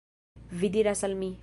Vi diras al mi